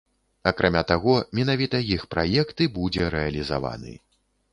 Акрамя таго, менавіта іх праект і будзе рэалізаваны.